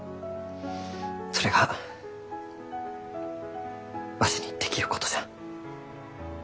それがわしにできることじゃ。